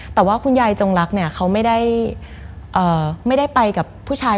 แต่ว่าคุณยายจงรักเนี่ยเขาไม่ได้ไปกับผู้ชาย